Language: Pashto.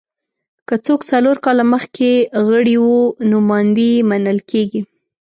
که څوک څلور کاله مخکې غړي وو نوماندي یې منل کېږي